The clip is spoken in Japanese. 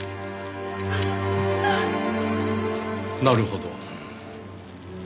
なるほど。